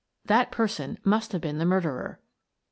That person must have been the murderer."